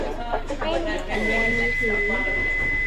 ไม่มีสัญญานมือถือ